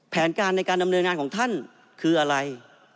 แผนการในการดำเนินงานของท่านคืออะไร